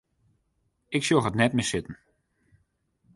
Ik sjoch it net mear sitten.